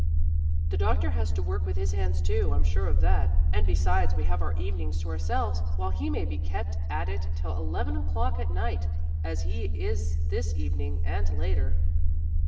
"The doctor has to work with his hands too, I'm sure of that. And besides, we have our evenings to ourselves, while he may be kept at it till eleven o'clock at night, as he is this evening, and later."